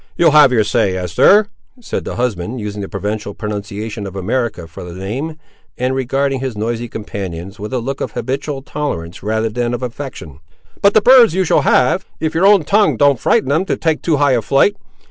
"You'll have your say, Eester," said the husband, using the provincial pronunciation of America for the name, and regarding his noisy companions, with a look of habitual tolerance rather than of affection. "But the birds you shall have, if your own tongue don't frighten them to take too high a flight.